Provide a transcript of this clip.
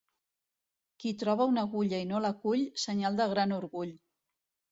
Qui troba una agulla i no la cull, senyal de gran orgull.